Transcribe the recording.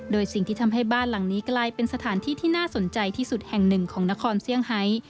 โดยสิ่งที่ทำให้บ้านหลังนี้กลายเป็นสถานที่ที่น่าสนใจที่สุดแห่งหนึ่งของนครเซี่ยงไฮ